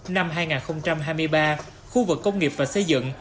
năm hai nghìn hai mươi ba khu vực công nghiệp và xây dựng